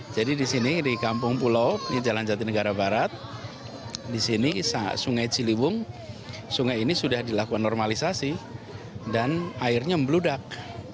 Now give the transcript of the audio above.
jadi di sini di kampung pulau di jalan jati negara barat di sini sungai ciliwung sungai ini sudah dilakukan normalisasi dan airnya membludak